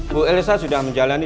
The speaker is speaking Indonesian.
bu elisa sudah menjalani